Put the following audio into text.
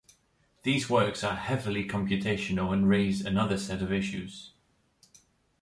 These works are heavily computational and raise another set of issues.